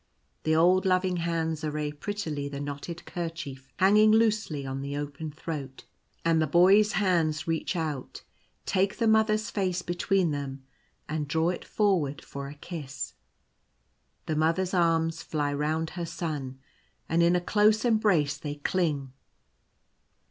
The old loving hands array prettily the knotted kerchief hanging loosely on the open throat ; and the Boy's hands reach out, take the Mother's face between them, and draw it forward for a kiss. The Mother's arms fly round her Son, and in a close embrace they cling.